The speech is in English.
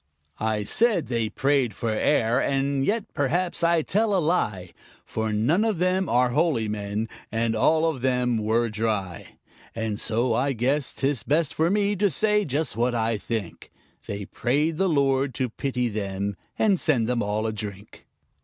I said they prayed for air, and yet perhaps I tell a lie, For none of them are holy men, and all of them were dry; And so I guess 'tis best for me to say just what I think They prayed the Lord to pity them and send them all a drink.